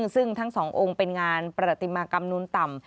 ซึ่งทั้งสององค์เป็นงานประติมากรรมนุนต่ำ